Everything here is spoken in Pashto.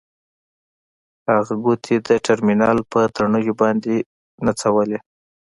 د هغه ګوتې د ټرمینل په تڼیو باندې نڅولې